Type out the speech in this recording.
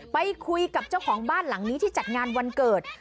ไปคุยกับเจ้าของบ้านหลังนี้ที่จัดงานวันเกิด